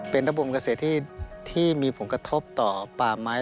เป็นระบบเกษตรที่มีผลกระทบต่อป่าไม้